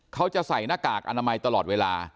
เขาจะใส่หน้ากากอนามัยตลอดเวลา